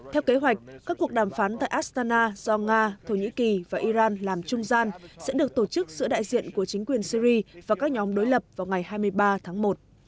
theo kế hoạch các cuộc đàm phán tại astana do nga thổ nhĩ kỳ và iran làm trung gian sẽ được tổ chức giữa đại diện của chính quyền syri và các nhóm đối lập vào ngày hai mươi ba tháng một